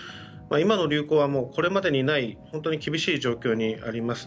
今の流行はこれまでにはない本当に厳しい状況にあります。